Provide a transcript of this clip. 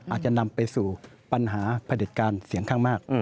อาจจะนำไปสู่ปัญหาผลิตการเสียงข้างมาก